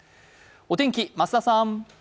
お天気、増田さん。